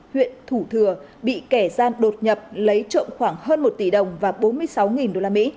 huyện thủ thừa bị kẻ gian đột nhập lấy trộm khoảng hơn một tỷ đồng và bốn mươi sáu usd